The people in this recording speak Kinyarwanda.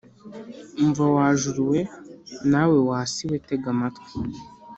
Umva, wa juru we! Nawe wa si we, tega amatwi!